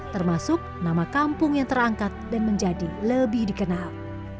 termasuk nama kampung yang terangkat dan menjadi lebih dikenal